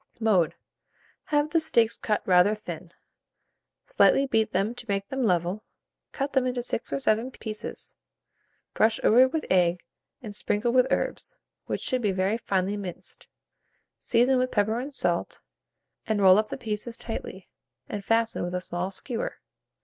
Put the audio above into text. Mode. Have the steaks cut rather thin, slightly beat them to make them level, cut them into 6 or 7 pieces, brush over with egg, and sprinkle with herbs, which should be very finely minced; season with pepper and salt, and roll up the pieces tightly, and fasten with a small skewer.